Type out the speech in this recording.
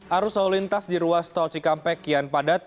arus lalu lintas di ruas tol cikampek kian padat